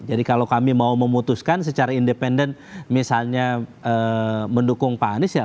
jadi kalau kami mau memutuskan secara independen misalnya mendukung pak anies ya